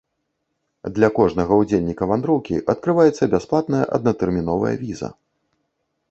Для кожнага ўдзельніка вандроўкі адкрываецца бясплатная аднатэрміновая віза!